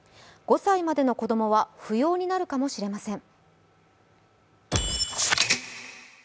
５歳までの子供は不要になるかもしれません。